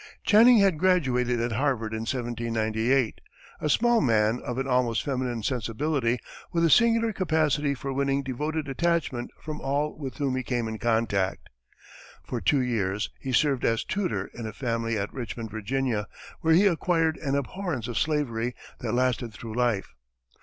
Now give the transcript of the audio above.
Channing had graduated at Harvard in 1798, a small man of an almost feminine sensibility, with a singular capacity for winning devoted attachment from all with whom he came in contact. For two years, he served as tutor in a family at Richmond, Virginia, where he acquired an abhorrence of slavery that lasted through life.